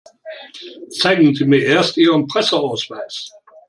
Zeigen Sie mir erst Ihren Presseausweis.